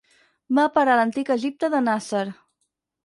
Va a parar a l'antic Egipte de Nàsser.